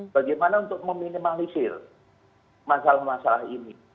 bagaimana untuk meminimalisir masalah masalah ini